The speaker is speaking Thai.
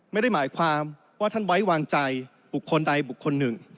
ไม่ได้หมายความว่าท่านไว้วางใจบุคคลใดบุคคลหนึ่ง